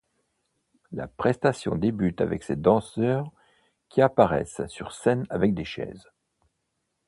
La prestation débute avec ses danseurs qui apparaissent sur scène avec des chaises.